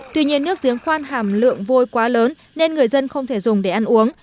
tuy nhiên nước giếng khoan hàm lượng vôi quá lớn nên người dân không thể dùng để ăn uống